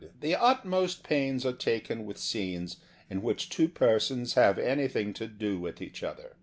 The utmost pains are taken with scenes in which two persons have any thing to do with each other.